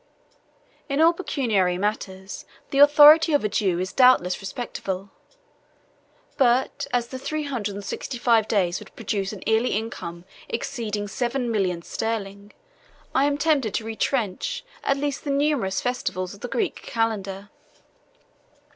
28 In all pecuniary matters, the authority of a Jew is doubtless respectable; but as the three hundred and sixty five days would produce a yearly income exceeding seven millions sterling, I am tempted to retrench at least the numerous festivals of the Greek calendar.